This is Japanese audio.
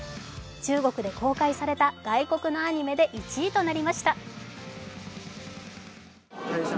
中国で公開された外国のアニメで１位となりました。